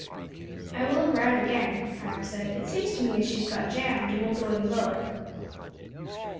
"I will look round again," Hiram said; "it seems to me as she has got jammed, and won't go any lower."